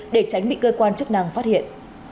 để tránh bị cơ quan chức năng phát hiện